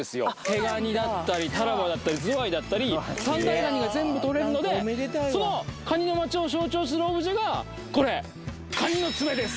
毛ガニだったりタラバだったりズワイだったり三大ガニが全部取れるのでそのカニの街を象徴するオブジェがこれカニの爪です